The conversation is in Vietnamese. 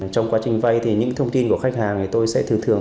trong quá trình vay thì những thông tin của khách hàng thì tôi sẽ thường thường